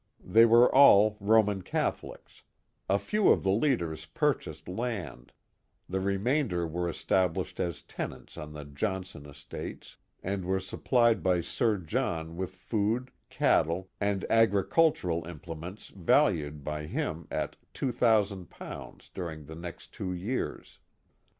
They were all Roman Catholics, A few of the leaders purchased land; the remainder were established as tenants on the Johnson estates, and were supplied by Sir John with food, cattle, and agri cultural implements valued by him at ^2000 during the next two years.